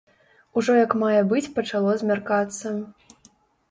Ужо як мае быць пачало змяркацца.